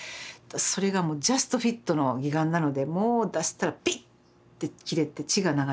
それがもうジャストフィットの義眼なのでもう出したらピッて切れて血が流れる。